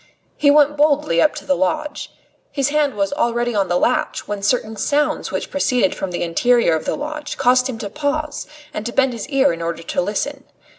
He went boldly up to the lodge. His hand was already on the latch, when certain sounds which proceeded from the interior of the lodge caused him to pause and to bend his ear in order to listen.